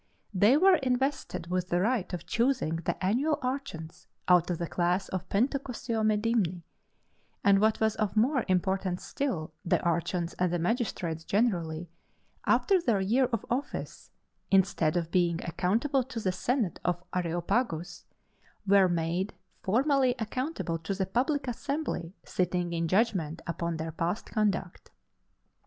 They were invested with the right of choosing the annual archons, out of the class of Pentacosiomedimni; and what was of more importance still, the archons and the magistrates generally, after their year of office, instead of being accountable to the senate of Areopagus, were made formally accountable to the public assembly sitting in judgment upon their past conduct.